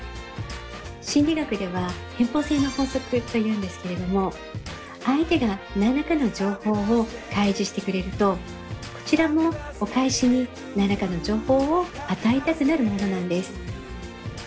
心理学では返報性の法則というんですけれども相手が何らかの情報を開示してくれるとこちらもお返しに何らかの情報を与えたくなるものなんです。